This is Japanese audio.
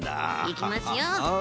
いきますよ。